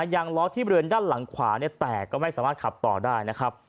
ยางล้อที่บริเวณด้านหลังขวาแตกก็ไม่สามารถขับต่อได้นะครับ